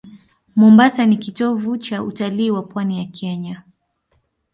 Mombasa ni kitovu cha utalii wa pwani ya Kenya.